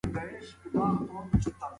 که چېرې پوهنه دوامداره وي، پرمختګ نه درېږي.